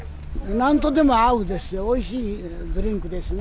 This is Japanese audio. なんとでも合うんですよ、おいしいドリンクですね。